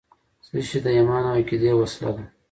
څه شی د ایمان او عقیدې وسله ده؟